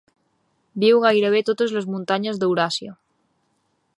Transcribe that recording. Viu a gairebé totes les muntanyes d'Euràsia.